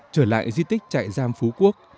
trở lại di tích trại giam phú quốc